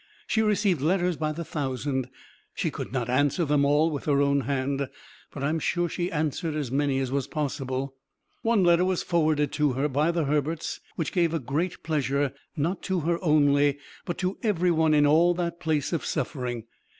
She received letters by the thousand; she could not answer them all with her own hand, but I am sure she answered as many as was possible. One letter was forwarded to her by the Herberts which gave a great pleasure not to her only, but to everyone in all that place of suffering.